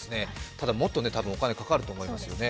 ただもっとお金はかかると思いますよね。